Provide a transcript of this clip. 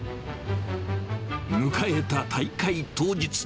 迎えた大会当日。